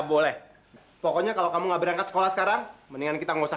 boleh pokoknya kalau kamu nggak berangkat sekolah sekarang mendingan kita ngegosat